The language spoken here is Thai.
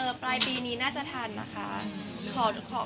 ปลายปีนี้น่าจะทันนะคะ